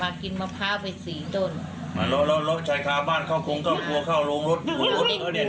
มากินมะพร้าวไปสี่ต้นมาแล้วแล้วแล้วแล้วชายค้าบ้านเขาคงก็กลัวเข้าลงรถ